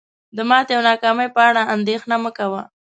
د ماتي او ناکامی په اړه اندیښنه مه کوه